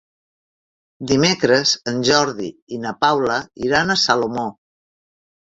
Dimecres en Jordi i na Paula iran a Salomó.